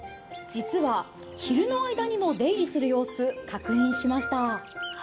実は、昼の間にも出入りする様子、確認しました。